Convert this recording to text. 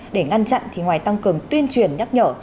để ngăn chặn thì ngoài tăng cường tuyên truyền nhắc nhở